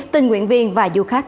tình nguyện viên và du khách